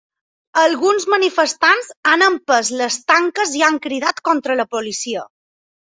Alguns manifestants han empès les tanques i han cridat contra la policia.